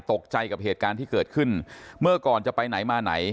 ตกใจกับเหตุการณ์ที่เกิดขึ้นเมื่อก่อนจะไปไหนมาไหน